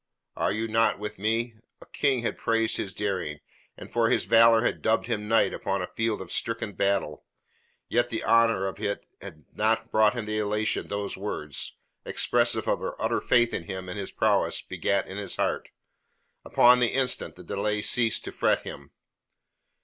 Are you not with me?" A king had praised his daring, and for his valour had dubbed him knight upon a field of stricken battle; yet the honour of it had not brought him the elation those words expressive of her utter faith in him and his prowess begat in his heart. Upon the instant the delay ceased to fret him.